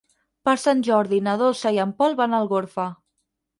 Per Sant Jordi na Dolça i en Pol van a Algorfa.